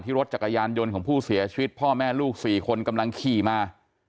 รถจักรยานยนต์ของผู้เสียชีวิตพ่อแม่ลูก๔คนกำลังขี่มา